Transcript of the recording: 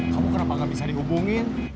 kamu kenapa gak bisa dihubungin